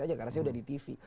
karena saya udah di tv